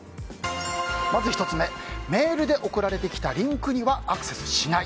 まず１つ目メールで送られてきたリンクにはアクセスしない。